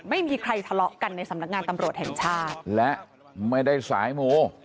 ไม่มีใครทะเลาะกันในสำนักงานตำรวจแห่งชาติและไม่ได้สายมู